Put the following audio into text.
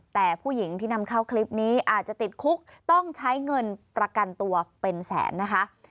แต่ผู้หญิงที่นำเข้าคลิปนี้อาจจะติดคุกต้องใช้เงินประกันตัวเป็นแสนนะคะ